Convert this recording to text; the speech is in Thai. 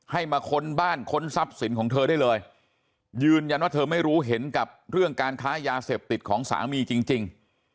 ให้มาค้นบ้านค้นทรัพย์สินของเธอได้เลยยืนยันว่าเธอไม่รู้เห็นกับเรื่องการค้ายาเสพติดของสามีจริง